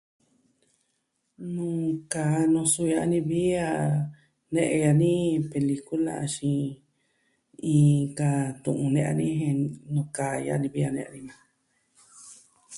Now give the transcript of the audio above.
Nuu kaa nusu ya'a ni vi a ne'ya ni pelikula axin, inka tu'un a ne'ya ni jen nuu kaa ya'a ni vi a ne'ya ni majan.